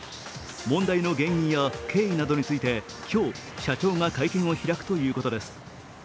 問題の原因や経緯などについて今日、社長が会見を開くということです。